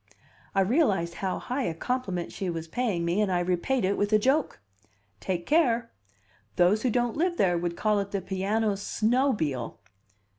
I realized how high a compliment she was paying me, and I repaid it with a joke. "Take care. Those who don't live there would call it the piano snobile."